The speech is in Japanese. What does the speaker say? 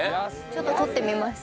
ちょっととってみます。